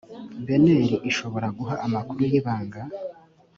bnr ishobora guha amakuru y ibanga